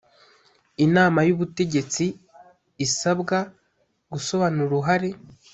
inama y ubutegetsi isabwa gusobanura uruhare